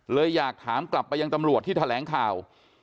อยากถามกลับไปยังตำรวจที่แถลงข่าว